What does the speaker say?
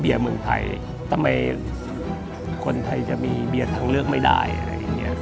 เบียร์เมืองไทยทำไมคนไทยจะมีเบียร์ทางเลือกไม่ได้